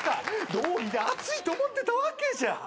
どうりで暑いと思ってたわけじゃ。